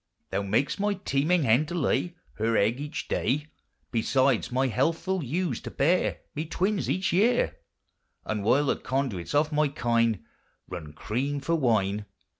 Thou mak'st my teeming hen to lay Her egg each day, Besides my healthful ewes to bear Me twins each yeare; The while the conduits of my kine Run creame for wine.